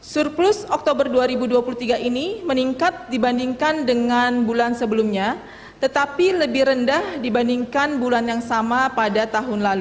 surplus oktober dua ribu dua puluh tiga ini meningkat dibandingkan dengan bulan sebelumnya tetapi lebih rendah dibandingkan bulan yang sama pada tahun lalu